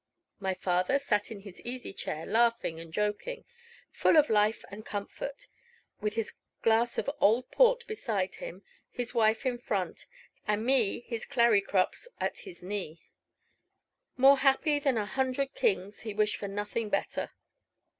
My father sat in his easy chair, laughing and joking, full of life and comfort, with his glass of old port beside him, his wife in front, and me, his "Claricrops," at his knee. More happy than a hundred kings, he wished for nothing better.